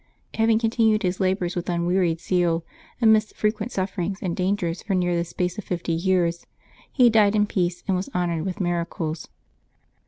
Having continued his labors with unwearied zeal amidst frequent sufferings and dangers for near the space of fifty years, he died in peace, and was honored with miracles.